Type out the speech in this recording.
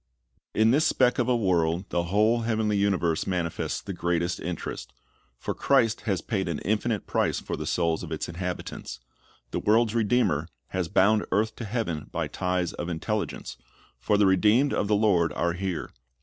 In this speck of a world the whole heavenly universe manifests the greatest interest; for Christ has paid an infinite price for the souls of its inhabitants. The world's Redeemer has bound earth to heaven by ties of intelligence; for the redeemed of the Lord are here.